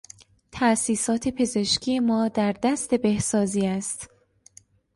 تاسیسات پزشکی ما در دست بهسازی است.